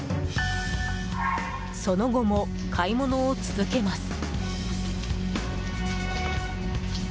その後も買い物を続けます。